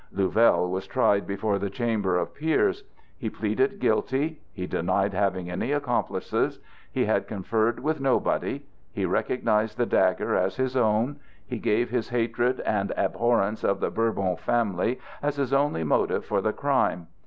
Louvel was tried before the Chamber of Peers. He pleaded guilty. He denied having any accomplices. He had conferred with nobody. He recognized the dagger as his own; he gave his hatred and abhorrence of the Bourbon family as his only motive for the crime.